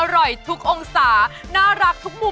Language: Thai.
อร่อยทุกองศาน่ารักทุกมุม